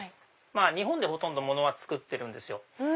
日本でほとんどものは作ってるんですよ。